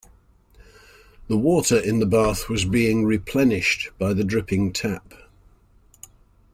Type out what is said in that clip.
The water in the bath was being replenished by the dripping tap.